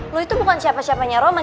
lu itu bukan siapa siapanya roman